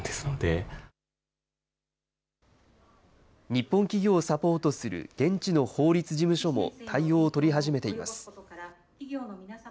日本企業をサポートする現地の法律事務所も対応を取り始めています。